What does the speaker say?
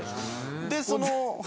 でその。